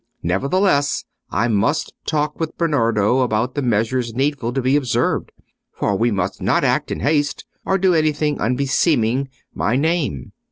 Nevertheless, I must talk with Bernardo about the measures needful to be observed. For we must not act in haste, or do anything unbeseeming my name.